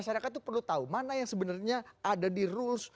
ketika demokrasi dan kebebasan dibuat